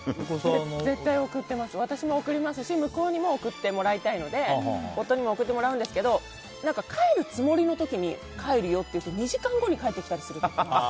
私も送りますし向うにも送ってもらいたいので夫にも送ってもらうんですけど帰るつもりの時に帰るよって言って２時間後に帰ってきたりする。